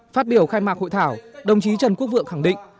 phát biểu khai mạc hội thảo đồng chí trần quốc vượng khẳng định